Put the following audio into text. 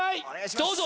どうぞ！